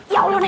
ya allah nek